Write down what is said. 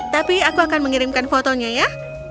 tapi aku akan mengirimkan fotonya ya